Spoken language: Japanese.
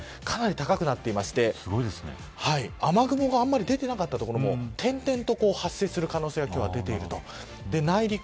かなり高くなっていまして雨雲があまり出ていなかった所も点々と発生する可能性が出ています。